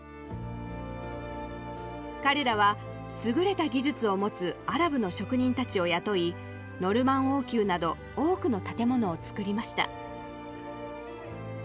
彼らは優れた技術を持つアラブの職人たちを雇いノルマン王宮など多くの建物を造りました。